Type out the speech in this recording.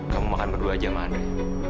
kamu makan berdua aja sama anda